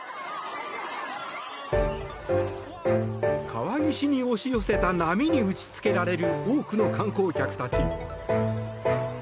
川岸に押し寄せた波に打ちつけられる多くの観光客たち。